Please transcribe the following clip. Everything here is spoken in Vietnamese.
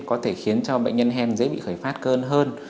có thể khiến cho bệnh nhân hen dễ bị khởi phát cơn hơn